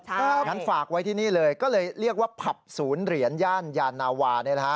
งั้นฝากไว้ที่นี่เลยก็เลยเรียกว่าผับศูนย์เหรียญย่านยานาวา